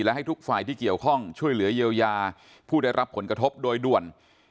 และให้ทุกฝ่ายที่เกี่ยวข้องช่วยเหลือเยียวยาผู้ได้รับผลกระทบโดยด่วน